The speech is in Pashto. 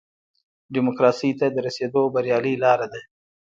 ډیموکراسۍ ته د رسېدو بریالۍ لاره ده.